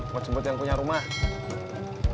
mau jemput yang punya rumah